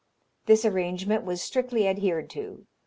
This arrangement was strictly adhered to.